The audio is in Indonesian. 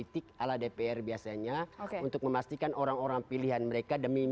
ini adalah bahasa basi politik ala dpr biasanya untuk memastikan orang orang pilihan mereka